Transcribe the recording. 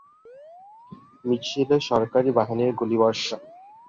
মিছিলে সরকারি বাহিনীর গুলিবর্ষণ।